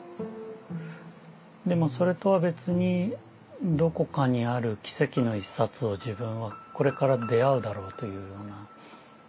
でもそれとは別にどこかにある奇跡の１冊を自分はこれから出会うだろうというような。